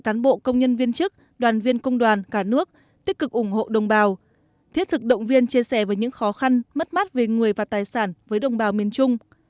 cán bộ công nhân viên chức đoàn viên công đoàn cả nước tích cực ủng hộ đồng bào thiết thực động viên chia sẻ với những khó khăn mất mát về người và tài sản với đồng bào miền trung